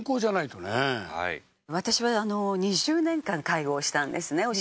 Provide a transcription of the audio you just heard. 私は２０年間介護をしたんですね